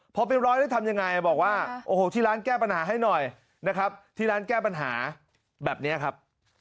พอเป็นร้อยแล้วทำยังไงบอกว่าโอ้โหที่ร้านแก้ปัญหาให้หน่อยนะครับที่ร้านแก้ปัญหาแบบนี้ครับ